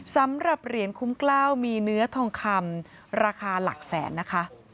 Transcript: สำหรับเหรียญคุ้มกล้าวมีเนื้อทองคำราคาหลักแสนนะคะ